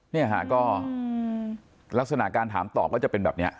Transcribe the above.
เนี่ยฮะก็ลักษณะการถามตอบก็จะเป็นแบบนี้